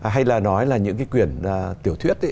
hay là nói là những cái quyển tiểu thuyết